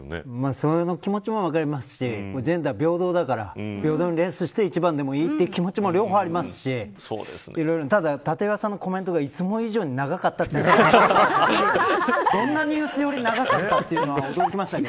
その気持ちも分かりますしジェンダー平等だから平等にレースして１番でいいという気持ちも両方ありますしただ、立岩さんのコメントがいつも以上に長かったのがどんなニュースより長かったというのは驚きました。